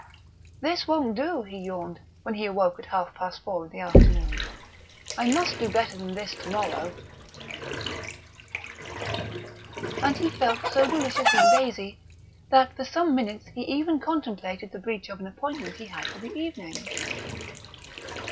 "This won't do," he yawned when he awoke at half past four in the afternoon; "I must do better than this to morrow " And he felt so deliciously lazy that for some minutes he even contemplated the breach of an appointment he had for the evening.